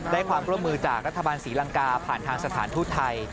ได้ความร่วมมือจากรัฐบาลศรีลังกาผ่านทางสถานทูตไทย